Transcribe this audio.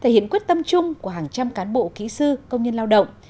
thể hiện quyết tâm chung của hàng trăm cán bộ kỹ sư công nhân lao động